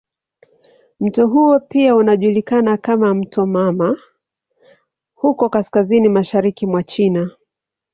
Mto huo pia unajulikana kama "mto mama" huko kaskazini mashariki mwa China.